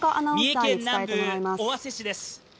三重県南部尾鷲市です。